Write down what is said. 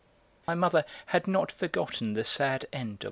My mother had not forgotten the sad end of M.